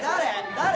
誰？